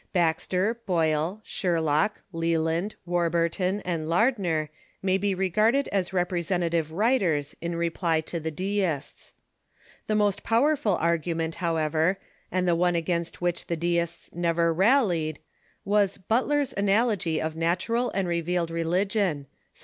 Baxter, Boyle, Sherlock, Leland, Warburton, and Lardner may be regarded as representative writers in re ply to the Deists. The most powerful argument, however, and the one against which the Deists never rallied, was "But ler's Analogy of Natural and Revealed Religion" (1736).